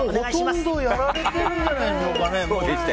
ほとんどやられてるんじゃないでしょうかね。